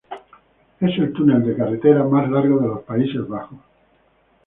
Es el túnel de carretera más largo de los Países Bajos.